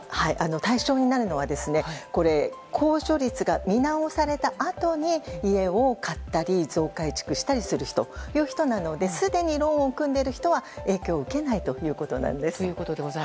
対象になるのは控除率が見直されたあとに家を買ったり増改築したりという人なのですでにローンを組んでいる人は影響を受けないということなんです。